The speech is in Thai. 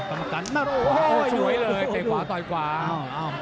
อ้าวกรรมกันโอ้โหสวยเลยไก่ขวาต่อยขวา